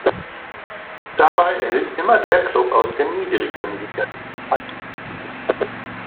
Dabei erhielt immer der Klub aus der niedrigeren Liga den Heimvorteil.